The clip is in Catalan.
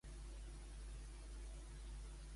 Defensem la nostra cultura, siusplau.